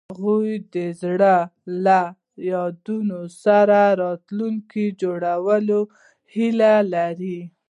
هغوی د زړه له یادونو سره راتلونکی جوړولو هیله لرله.